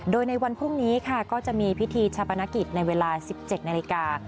โดยในวันพรุ่งนี้ค่ะก็จะมีพิธีชาปนกิจในเวลา๑๗นาฬิกา